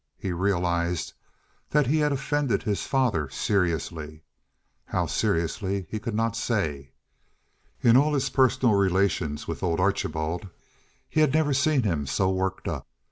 He realized that he had offended his father seriously, how seriously he could not say. In all his personal relations with old Archibald he had never seen him so worked up.